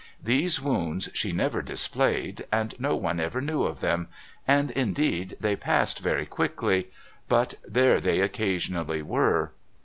These wounds she never displayed, and no one ever knew of them, and indeed they passed very quickly but there they occasionally were.